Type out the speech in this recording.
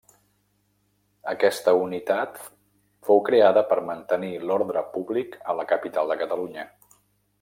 Aquesta unitat fou creada per mantenir l'ordre públic a la Capital de Catalunya.